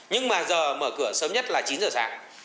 nhưng mà giờ mở cửa sớm nhất là chín giờ sáng